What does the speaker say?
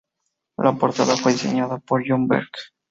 La portada fue diseñada por John Berg.